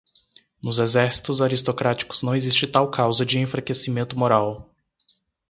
Nos exércitos aristocráticos não existe tal causa de enfraquecimento moral.